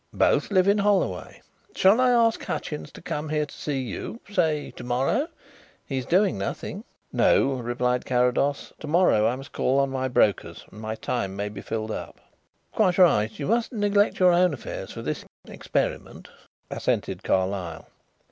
"Both live in Holloway. Shall I ask Hutchins to come here to see you say to morrow? He is doing nothing." "No," replied Carrados. "To morrow I must call on my brokers and my time may be filled up." "Quite right; you mustn't neglect your own affairs for this experiment," assented Carlyle.